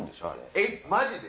えっマジで？